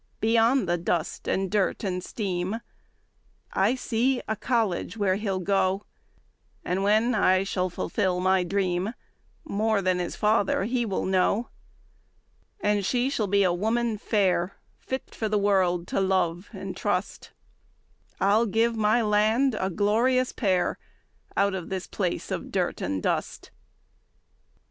Beyond the dust and dirt and steam I see a college where he'll go; And when I shall fulfill my dream, More than his father he will know; And she shall be a woman fair, Fit for the world to love and trust I'll give my land a glorious pair Out of this place of dirt and dust.